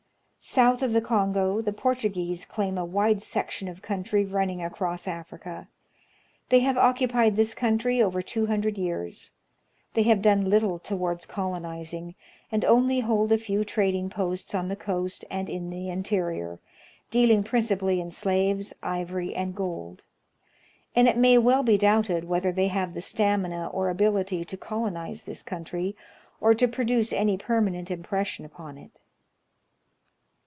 South of the Kongo, the Portuguese claim a wide section of country running across Africa. They have occupied this countiy over two hundred years. They have done little towards coloniz ing, and only hold a few trading posts on the coast and in the interior, dealing principally in slaves, ivory, and gold ; and it may well be doubted whether they have the stamina or ability to colonize this country, or to produce any permanent impression upon it.